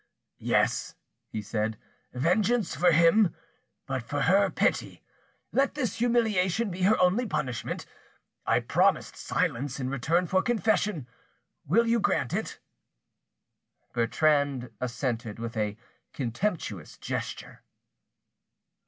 "Yes," he said, "vengeance for him, but for her pity. Let this humiliation be her only punishment. I promised silence in return for confession, will you grant it?" Bertrande assented with a contemptuous gesture.